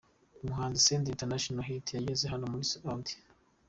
Umuhanzi Senderi International Hit yageze hano muri Audi.